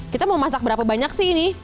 kita mau masak berapa banyak sih ini